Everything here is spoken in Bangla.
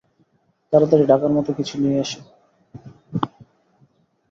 তাড়াতাড়ি ঢাকার মতো কিছু নিয়ে আসো!